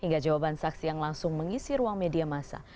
hingga jawaban saksi yang langsung mengisi ruang media masa